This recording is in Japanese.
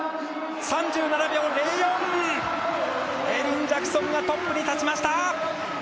エリン・ジャクソンがトップに立ちました。